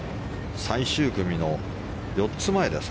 最終組の４つ前です。